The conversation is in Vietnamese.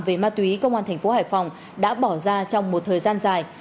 về ma túy công an thành phố hải phòng đã bỏ ra trong một thời gian dài